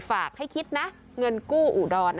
ฝากให้คิดนะเงินกู้อุดร